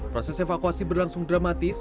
proses evakuasi berlangsung dramatis